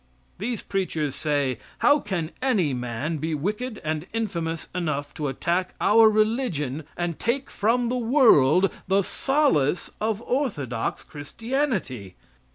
These preachers say, "How can any man be wicked and infamous enough to attack our religion and take from the world the solace of orthodox Christianity?"